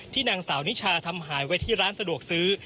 นางสาวนิชาทำหายไว้ที่ร้านสะดวกซื้อ